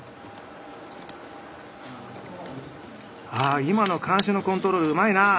あ今の鉗子のコントロールうまいなぁ。